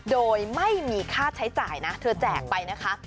โดยไม่มีค่าใช้จ่ายนะเธอแจกไปนะคะ